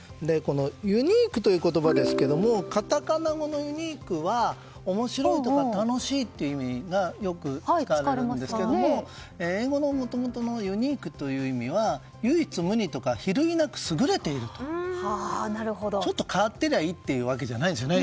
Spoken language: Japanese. ユニークという言葉はカタカナのユニークは面白いとか楽しいという意味でよく使われるんですが英語のもともとのユニークという意味は唯一無二とか比類なく優れているというちょっと変わってりゃいいというわけではないんです。